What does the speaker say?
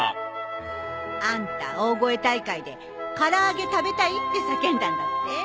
あんた大声大会で「唐揚げ食べたい」って叫んだんだって？